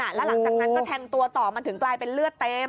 แล้วหลังจากนั้นก็แทงตัวต่อมันถึงกลายเป็นเลือดเต็ม